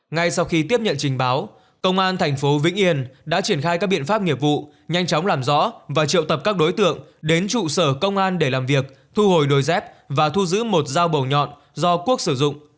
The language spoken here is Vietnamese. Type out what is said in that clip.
ngay sau khi tiếp nhận trình báo công an thành phố vĩnh yên đã triển khai các biện pháp nghiệp vụ nhanh chóng làm rõ và triệu tập các đối tượng đến trụ sở công an để làm việc thu hồi đồi z và thu giữ một dao bầu nhọn do quốc sử dụng